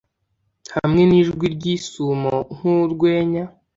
hamwe nijwi ryisumo nkurwenya